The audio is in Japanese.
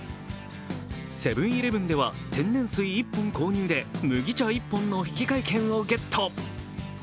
セブン−イレブンでは天然水１本購入で、むぎ茶１本の引換券をゲット。